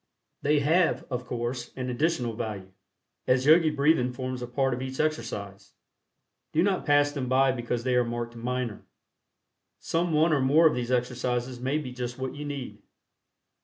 They have, of course, an additional value, as Yogi Breathing forms a part of each exercise. Do not pass them by because they are marked "minor." Some one or more of these exercises may be just what you need.